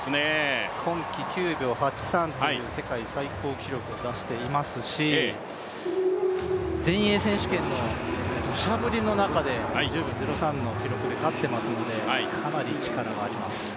今季９秒８３という世界最高記録を出していますし、全英選手権のどしゃ降りの中で１０秒０３で勝っていますのでかなり力があります。